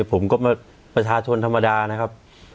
ผมก็ประชาชนธรรมดานะครับ